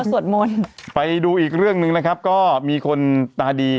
ภาคภูมิจะกลัวเครื่องบินอยู่ไหม